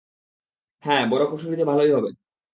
হ্যাঁ, বড় কুঠুরিতে ভালোই হবে।